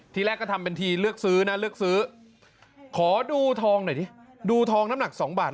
ทีแรกก็ทำเป็นทีเลือกซื้อนะเลือกซื้อขอดูทองหน่อยดิดูทองน้ำหนัก๒บาท